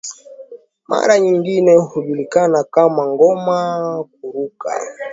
mara nyingine hujulikana kama ngoma ya kuruka